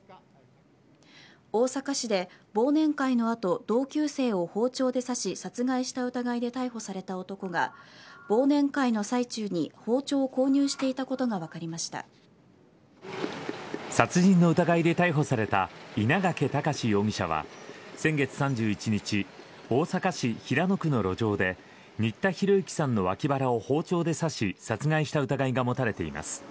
大阪市で忘年会の後同級生を包丁で刺し殺害した疑いで逮捕された男が忘年会の最中に包丁を購入していたことが殺人の疑いで逮捕された稲掛躍容疑者は先月３１日大阪市平野区の路上で新田浩之さんのわき腹を包丁で刺し殺害した疑いが持たれています。